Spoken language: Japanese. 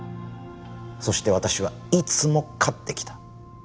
そして私はいつも勝ってきた。